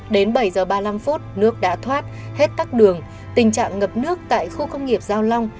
đến bảy giờ ba mươi năm phút nước đã thoát hết tắc đường tình trạng ngập nước tại khu công nghiệp giao long